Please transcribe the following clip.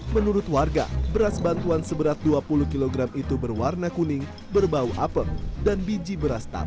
menurut warga beras bantuan seberat dua puluh kg itu berwarna kuning berbau apel dan biji beras tak